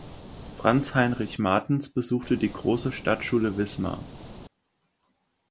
Franz Heinrich Martens besuchte die Große Stadtschule Wismar.